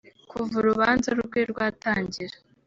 Kuva urubanza rwe rwatangira